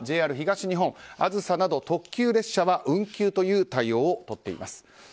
ＪＲ東日本、「あずさ」など特急列車は運休という対応をとっています。